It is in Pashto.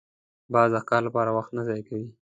باز د ښکار لپاره وخت نه ضایع کوي